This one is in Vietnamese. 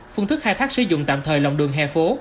phương thức khai thác sử dụng tạm thời lòng đường hè phố